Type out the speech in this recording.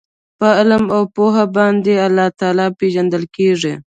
په علم او پوهه باندي الله تعالی پېژندل کیږي